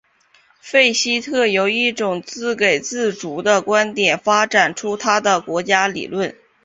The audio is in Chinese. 费希特由一种自给自足的观点发展出他的国家理论。